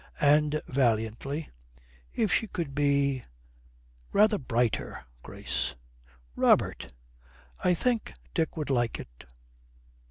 'And,' valiantly, 'if she could be rather brighter, Grace.' 'Robert!' 'I think Dick would like it.'